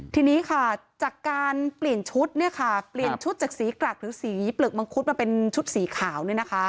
ทีนี้จากการเปลี่ยนชุดเปลี่ยนชุดจากสีกรักสีเปลือกมังคุตมาเป็นชุดสีขาว